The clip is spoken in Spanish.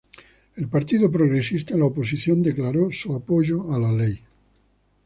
El Partido Progresista, en la oposición, declaró su apoyo a la ley.